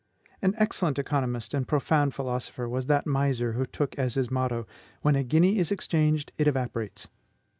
An excellent economist and profound philosopher was that miser who took as his motto, "WHEN A GUINEA IS EXCHANGED, IT EVAPORATES."